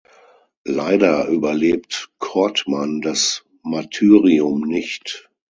Leider überlebt Kortmann das Martyrium nicht.